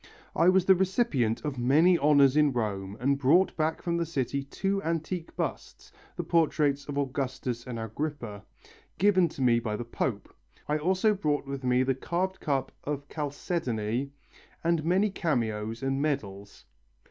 I was the recipient of many honours in Rome and brought back from the city two antique busts, the portraits of Augustus and Agrippa, given to me by the Pope. I also brought with me the carved cup of chalcedony and many cameos and medals."